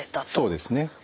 そうですね。